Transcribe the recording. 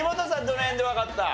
どの辺でわかった？